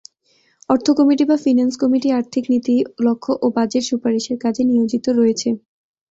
অর্থ কমিটি বা finance committee আর্থিক নীতি, লক্ষ্য ও বাজেট সুপারিশের কাজে নিয়োজিত রয়েছে।